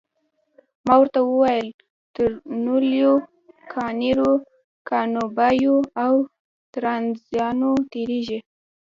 ما ورته وویل تر لویینو، کانیرو، کانوبایو او ترانزانو تیریږئ.